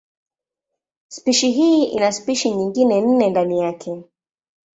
Spishi hii ina spishi nyingine nne ndani yake.